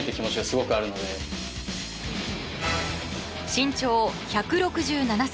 身長１６７ｃｍ。